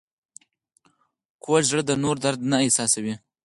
کوږ زړه د نورو درد نه احساسوي